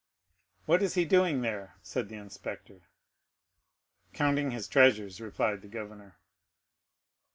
0177m "What is he doing there?" said the inspector. "Counting his treasures," replied the governor.